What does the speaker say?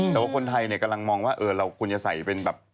แต่ว่าคนไทยกำลังมองว่าเราควรจะใส่เป็นแบบ